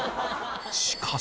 しかし。